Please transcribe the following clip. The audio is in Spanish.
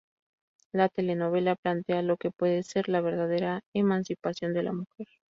La telenovela plantea lo que puede ser la verdadera emancipación de la mujer.